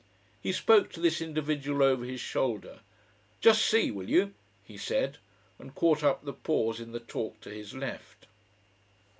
He spoke to this individual over his shoulder. "Just see, will you," he said, and caught up the pause in the talk to his left.